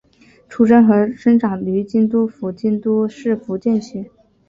出身和生长于京都府京都市伏见区。